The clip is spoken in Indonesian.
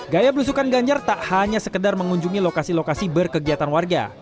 gaya belusukan ganjar tak hanya sekedar mengunjungi lokasi lokasi berkegiatan warga